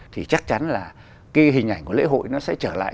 thì chắc chắn là cái hình ảnh của lễ hội nó sẽ trở lại